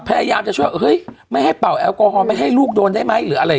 พยายามจะช่วยเฮ้ยไม่ให้เป่าแอลกอฮอลไม่ให้ลูกโดนได้ไหมหรืออะไร